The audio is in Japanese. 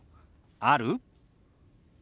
「ある？」。